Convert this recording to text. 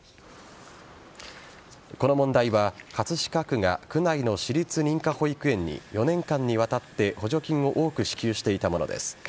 この問題は葛飾区が区内の私立認可保育園に４年間にわたって、補助金を多く支給していたものです。